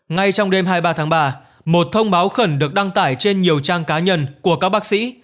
ngay trong đêm hai mươi ba tháng ba một thông báo khẩn được đăng tải trên nhiều trang cá nhân của các bác sĩ